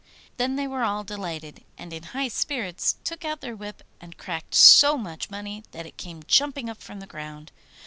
Then they were all delighted and in high spirits, took out their whip, and cracked so much money that it came jumping up from the ground.